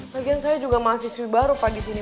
lagian saya juga mahasiswi baru pak disini